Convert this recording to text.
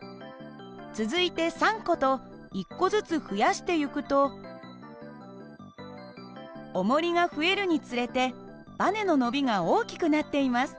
続いて３個と１個ずつ増やしてゆくとおもりが増えるにつれてばねの伸びが大きくなっています。